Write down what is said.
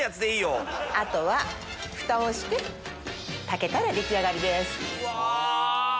あとはフタをして炊けたら出来上がりです。